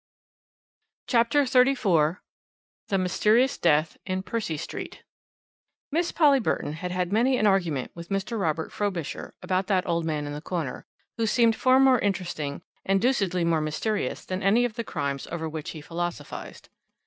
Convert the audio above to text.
CHAPTER XXXIV THE MYSTERIOUS DEATH IN PERCY STREET Miss Polly Burton had had many an argument with Mr. Richard Frobisher about that old man in the corner, who seemed far more interesting and deucedly more mysterious than any of the crimes over which he philosophised.